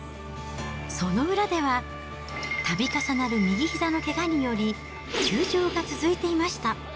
その裏では、たび重なる右ひざのけがにより、休場が続いていました。